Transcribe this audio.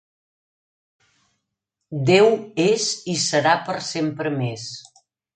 Déu és i serà per sempre més.